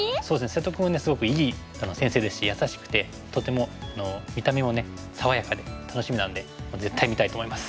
瀬戸君はすごくいい先生ですし優しくてとても見た目も爽やかで楽しみなんで絶対見たいと思います。